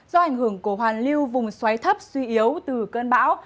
do ảnh hưởng của hoàn lưu vùng xoáy thấp suy yếu từ cơn bão